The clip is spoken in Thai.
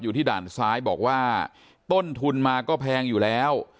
อยู่ที่ด่านซ้ายบอกว่าต้นทุนมาก็แพงอยู่แล้ว